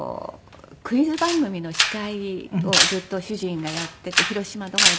クイズ番組の司会をずっと主人がやっていて広島の方でやっていて。